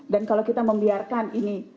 dan kalau kita membiarkan ini